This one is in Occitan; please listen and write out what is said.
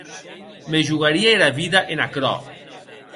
Me jogaria era vida en aquerò.